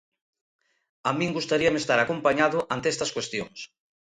A min gustaríame estar acompañado ante estas cuestións.